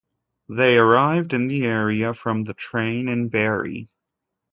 They arrived in the area from the train in Barrie.